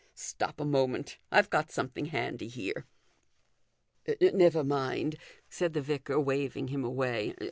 Stop a moment ; I've got something handy here." " Never mind," said the vicar, waving him away.